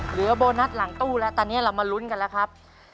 โบนัสหลังตู้แล้วตอนนี้เรามาลุ้นกันแล้วครับ